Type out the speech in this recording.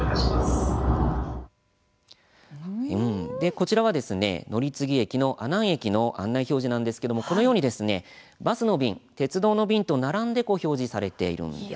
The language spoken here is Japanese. こちらは乗り継ぎ駅の阿南駅の案内表示なんですけれどもこのようにバスの便、鉄道の便と並んで表示されているんです。